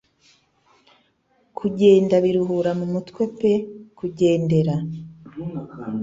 Kugenda biruhura mu mutwe pe kugendera!